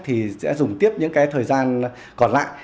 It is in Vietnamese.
thì sẽ dùng tiếp những cái thời gian còn lại